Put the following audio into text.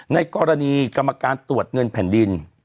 ในกรณีกรรมการตรวจเงินแผ่นดิน